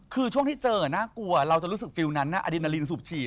คือช่วงที่เจอน่ากลัวเราจะรู้สึกฟิลล์นั้นอดินารินสูบฉีด